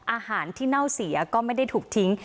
อาหารที่เน่าเสียก็ไม่ได้ถูกทิ้ง